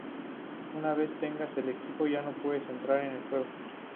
Una vez tengas el equipo ya puedes entrar en el juego.